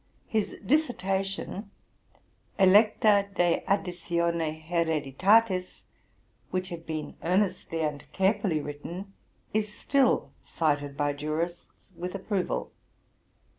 His dissertation, '* Electa de aditione Hereditatis,'' which had been earnestly and carefully written, is still cited by jurists with approval.